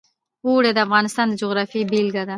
اوړي د افغانستان د جغرافیې بېلګه ده.